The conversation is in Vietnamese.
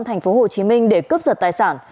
tp hcm để cấp giật tài sản